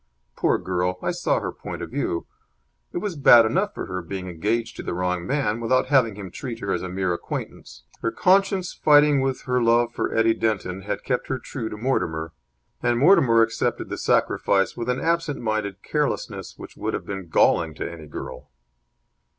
Poor girl, I saw her point of view. It was bad enough for her being engaged to the wrong man, without having him treat her as a mere acquaintance. Her conscience fighting with her love for Eddie Denton had kept her true to Mortimer, and Mortimer accepted the sacrifice with an absent minded carelessness which would have been galling to any girl.